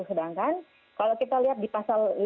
sedangkan kalau kita lihat di pasal lima